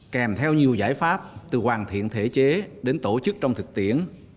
kèm theo nhiều giải pháp từ hoàn thiện thể chế đến tổ chức trong thực tiễn